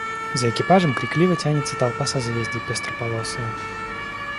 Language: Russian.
За экипажем крикливо тянется толпа созвездий пестрополосая.